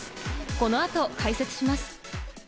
この後解説します。